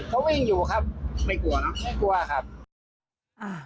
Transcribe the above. เขาไม่อยู่ครับไม่กลัวครับไม่กลัวครับอ่า